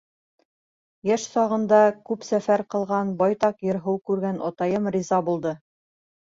Йәш сағында күп сәфәр ҡылған, байтаҡ ер-һыу күргән атайым риза булды.